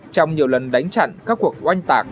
trong nhiều lần đánh chặn các cuộc oanh tạc